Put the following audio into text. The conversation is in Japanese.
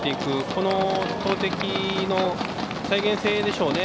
この投てきの再現性でしょうね。